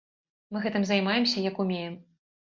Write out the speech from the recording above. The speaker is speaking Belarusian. Мы гэтым займаемся, як умеем.